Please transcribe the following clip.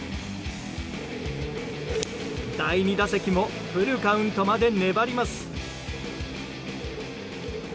第２打席もフルカウントまで粘ります。